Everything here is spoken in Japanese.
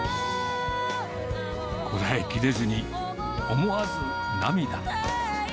こらえきれずに思わず涙。